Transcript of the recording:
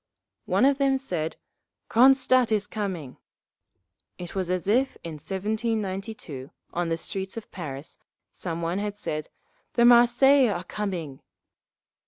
One of them said, "Cronstadt is coming!"… It was as if, in 1792, on the streets of Paris, some one had said: "The Marseillais are coming!"